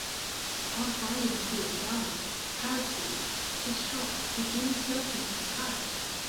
Upon finding that Crewe has died, Carissford, distraught, begins searching for Sara.